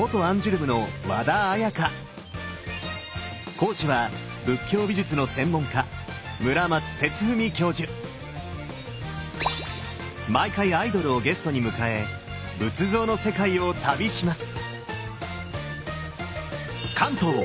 講師は仏教美術の専門家毎回アイドルをゲストに迎え仏像の世界を旅します！